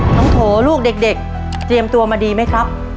โถลูกเด็กเตรียมตัวมาดีไหมครับ